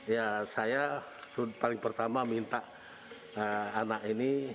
ya saya paling pertama minta anak ini